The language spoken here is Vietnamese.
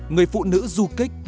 người phụ nữ du kích